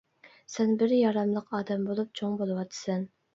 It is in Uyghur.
سەن بىر ياراملىق ئادەم بولۇپ چوڭ بولۇۋاتىسەن.